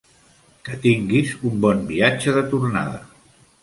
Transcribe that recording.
Que tinguis un bon viatge de tornada.